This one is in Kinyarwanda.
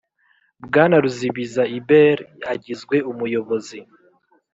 Bwana ruzibiza hubert agizwe umuyobozi